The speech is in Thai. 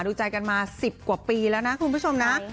ดูใจกันมา๑๐กว่าปีแล้วนะคุณผู้ชมนะ